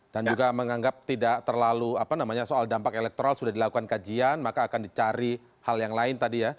dan juga menganggap tidak terlalu apa namanya soal dampak elektoral sudah dilakukan kajian maka akan dicari hal yang lain tadi ya